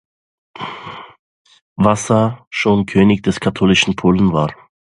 Wasa schon König des katholischen Polen war.